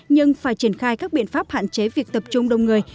nhưng phải triển khai các biện pháp hạn chế việc tập trung đông người